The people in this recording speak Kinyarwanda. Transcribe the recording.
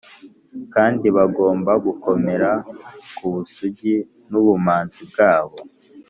kandi bagomba gukomera ku busugi n’ubumanzi bwabo